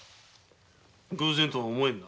偶然とは思えんな。